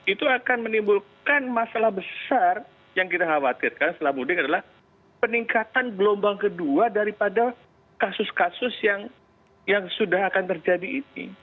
itu akan menimbulkan masalah besar yang kita khawatirkan setelah mudik adalah peningkatan gelombang kedua daripada kasus kasus yang sudah akan terjadi ini